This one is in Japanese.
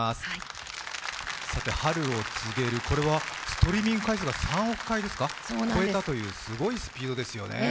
「春を告げる」、これはストリーミング回数が３億回を超えたというすごいスピードですよね。